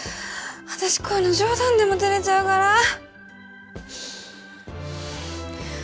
私こういうの冗談でもてれちゃうから。